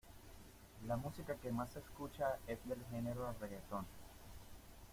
La música que más se escucha es del género reggaeton.